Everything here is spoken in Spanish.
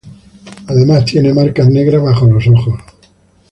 Además tienen marcas negras bajo los ojos.